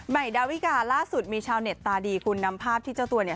ดาวิกาล่าสุดมีชาวเน็ตตาดีคุณนำภาพที่เจ้าตัวเนี่ย